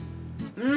うん。